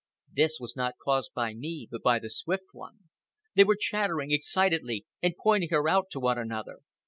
This was not caused by me, but by the Swift One. They were chattering excitedly and pointing her out to one another.